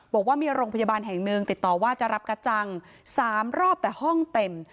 บอกว่ามีโรงพยาบาลแห่งหนึ่งติดต่อว่าจะรับกระจัง๓รอบแต่ห้องเต็ม